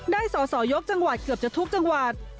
สอสอยกจังหวัดเกือบจะทุกจังหวัด